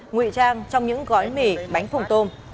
ngụy trang trong những gói mì bánh phồng tôm